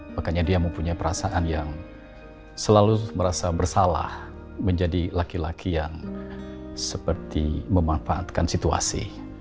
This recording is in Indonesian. makanya dia mempunyai perasaan yang selalu merasa bersalah menjadi laki laki yang seperti memanfaatkan situasi